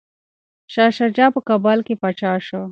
شاه شجاع په کابل کي پاچا شو.